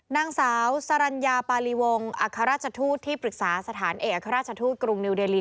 นางสาวสรรญาปาริวงศ์อัครราชทูตที่ปรึกษาสถานเอกอัครราชทูตกรุงนิวเดลี